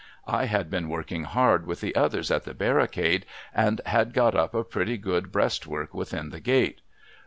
I had been working hard with the others at the barricade, and had got up a pretty good breastwork within the gate.